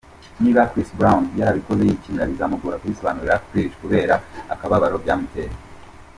Niba Chris Brown yarabikoze yikinira, bizamugora kubisobanurira Karrueche kubera akababaro byamuteye.